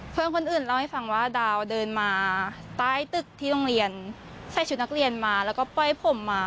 เพื่อนคนอื่นเล่าให้ฟังว่าดาวเดินมาใต้ตึกที่โรงเรียนใส่ชุดนักเรียนมาแล้วก็ปล่อยผมมา